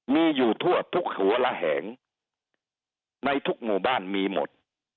มีอยู่ทั่วทุกหัวระแหงในทุกหมู่บ้านมีหมด